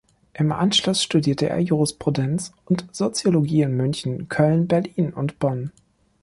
Im Anschluss studierte er Jurisprudenz und Soziologie in München, Köln, Berlin und Bonn.